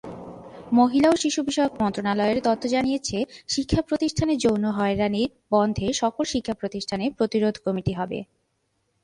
মহিলা ও শিশু বিষয়ক মন্ত্রণালয়ের তথ্য জানিয়েছে শিক্ষা প্রতিষ্ঠানে যৌন হয়রানি বন্ধে সকল শিক্ষা প্রতিষ্ঠানে প্রতিরোধ কমিটি হবে।